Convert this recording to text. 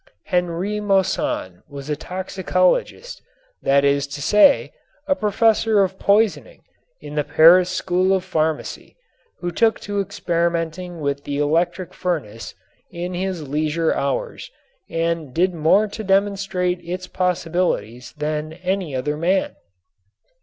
Henri Moissan was a toxicologist, that is to say, a Professor of Poisoning, in the Paris School of Pharmacy, who took to experimenting with the electric furnace in his leisure hours and did more to demonstrate its possibilities than any other man.